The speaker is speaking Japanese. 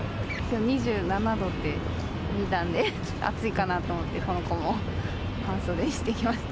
２７度って見たんで、暑いかなと思って、この子も半袖にしてきました。